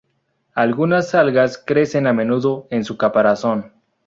Algunas algas crecen a menudo en su caparazón.